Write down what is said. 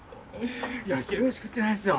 いや昼飯食ってないんですよ。